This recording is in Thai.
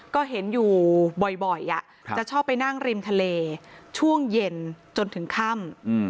ก็เห็นอยู่บ่อยจะชอบไปนั่งริมทะเลช่วงเย็นจนถึงค่ำ